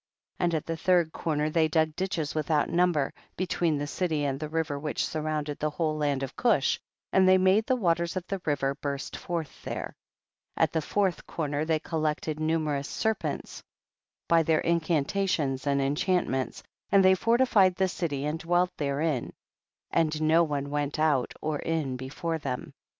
And at the third corner they dug ditches without number, between the city and the river which surround ed the whole land of Cush, and they made the waters of the river burst forth there. 10. At the fourth corner they col lected numerous serpents by their incantations and enchantments, and they fortified the city and dwelt there in, and no one went out or in before them.